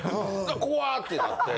こわ！ってなって。